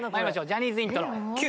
ジャニーズイントロＱ。